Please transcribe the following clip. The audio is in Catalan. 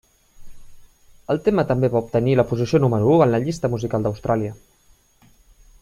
El tema també va obtenir la posició número u en la llista musical d'Austràlia.